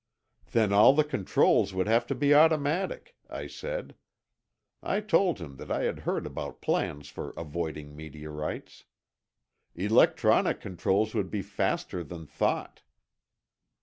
"Then all the controls would have to be automatic," I said. I told him that I had heard about plans for avoiding meteorites. "Electronic controls would be faster than thought."